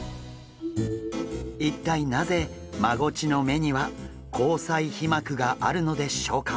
一体なぜマゴチの目には虹彩皮膜があるのでしょうか？